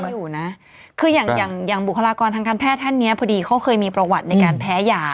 อยู่นะคืออย่างอย่างบุคลากรทางการแพทย์ท่านเนี้ยพอดีเขาเคยมีประวัติในการแพ้ยา